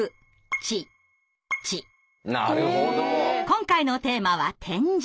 今回のテーマは「点字」。